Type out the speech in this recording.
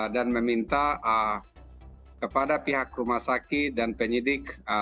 dan meminta kepada pihak rumah sakit dan penyidik